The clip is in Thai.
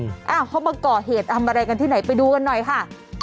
อ้าวเขามาก่อเหตุทำอะไรกันที่ไหนไปดูกันหน่อยค่ะ